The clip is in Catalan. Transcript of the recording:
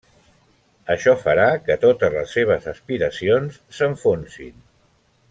Això farà que totes les seves aspiracions s'enfonsin.